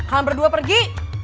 kalam berdua pergi